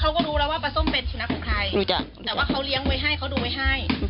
ปลาส้มกลับมาถึงบ้านโอ้โหดีใจมาก